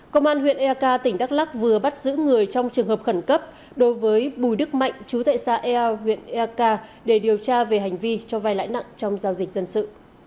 công an huyện eka tỉnh đắk lắc vừa bắt giữ người trong trường hợp khẩn cấp đối với bùi đức mạnh chú tệ xa eo huyện eak để điều tra về hành vi cho vai lãi nặng trong giao dịch dân sự